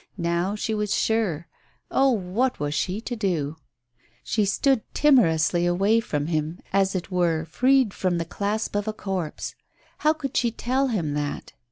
Now she was sure. Oh, what was she to do ?... She stood timorously away from him, as it were freed from the clasp of a corpse. How could she tell him that?